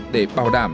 để bảo đảm